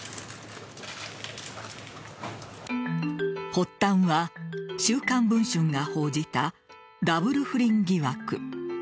発端は「週刊文春」が報じたダブル不倫疑惑。